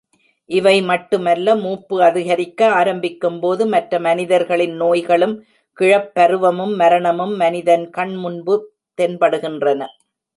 இவைமட்டுமல்ல, மூப்பு அதிகரிக்க ஆரம்பிக்கும்போது, மற்ற மனிதர்களின் நோய்களும், கிழப் பருவமும், மரணமும் மனிதன் கண்முன்பு தென்படுகின்றன.